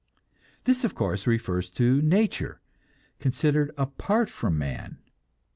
This, of course, refers to nature, considered apart from man.